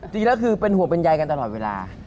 จี๊ระคือเป็นห่วงเป็นใยกันตลอดเวลา